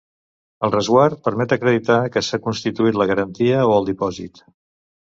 El resguard permet acreditar que s'ha constituït la garantia o el dipòsit.